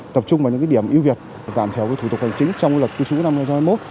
tập trung vào những điểm ưu việt giảm thiểu thủ tục hành chính trong luật cư trú năm hai nghìn hai mươi một